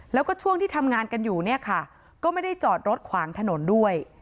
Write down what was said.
แล้วก็ช่วงที่ทำงานกันอยู่เนี่ยค่ะก็ไม่ได้จอดรถขวางถนนด้วย